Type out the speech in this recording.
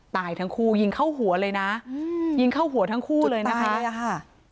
ตายทั้งคู่ยิงเข้าหัวเลยนะยิงเข้าหัวทั้งคู่เลยนะคะ